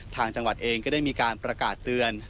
ทางจังหวัดเองก็ได้มีการประกาศเตือน